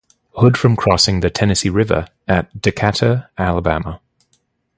Hood from crossing the Tennessee River at Decatur, Alabama.